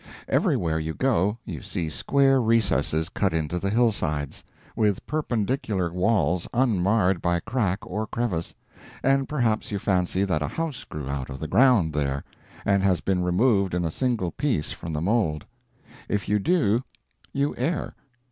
Everywhere you go you see square recesses cut into the hillsides, with perpendicular walls unmarred by crack or crevice, and perhaps you fancy that a house grew out of the ground there, and has been removed in a single piece from the mold. If you do, you err.